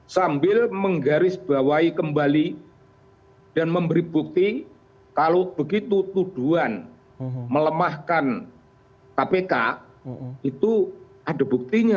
sambil menggarisbawahi kembali dan memberi bukti kalau begitu tuduhan melemahkan kpk itu ada buktinya